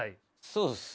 そうですね。